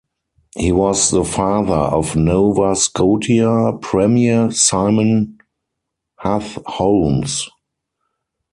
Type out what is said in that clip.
He was the father of Nova Scotia premier Simon Hugh Holmes.